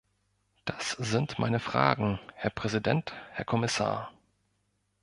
Das sind meine Fragen, Herr Präsident, Herr Kommissar.